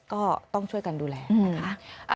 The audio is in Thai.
ก็ต้องช่วยกันดูแลนะคะ